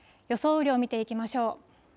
雨量を見ていきましょう。